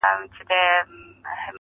راځه جهاني بس که د غزل له سترګو اوښکي -